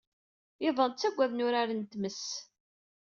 Iḍan ttaggaden uraren n tmest.